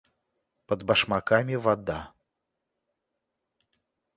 Под башмаками вода.